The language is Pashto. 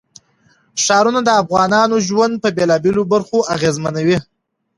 ښارونه د افغانانو ژوند په بېلابېلو برخو اغېزمنوي.